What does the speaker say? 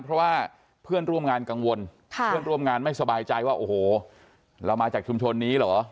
เพราะว่าเพื่อนร่วมงานกังวลไม่สบายใจว่าโอ้โหเรามาจากชุมชนนี้เหรอ